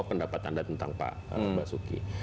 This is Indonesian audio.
apa pendapat anda tentang pak suki